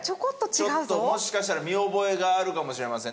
ちょっともしかしたら見覚えがあるかもしれません。